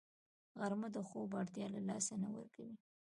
غرمه د خوب اړتیا له لاسه نه ورکوي